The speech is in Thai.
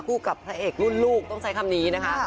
กับพระเอกรุ่นลูกต้องใช้คำนี้นะคะ